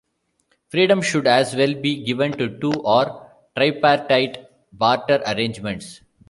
Freedom should as well be given to two- or tripartite barter arrangements.